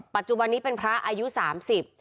ปัจจุบันนี้เป็นพระอายุ๓๐ปี